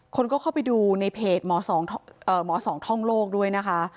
คนก็เข้าไปดูในเพจหมอสองท่องโลกด้วยนะคะ